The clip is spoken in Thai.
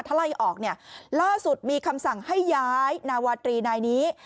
ถ้าไล่ออกเนี่ยล่าสุดมีคำสั่งให้ย้ายนาวาตรีนายนี้